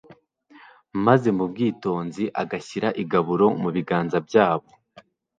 maze mu bwitonzi agashyira igaburo mu biganza byabo